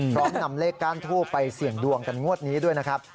พร้อมนำเลขก้านทูบไปเสี่ยงดวงกันงวดนี้ด้วยนะครับ